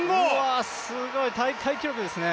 すごい、大会記録ですね。